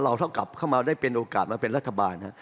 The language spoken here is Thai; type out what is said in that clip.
เราเชื่อกลับเข้ามาได้เป็นโอกาสแล้วเป็นรัฐบาล